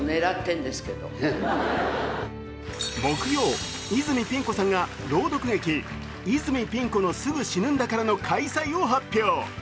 木曜、泉ピン子さんが「朗読劇泉ピン子の『すぐ死ぬんだから』」の開催を発表。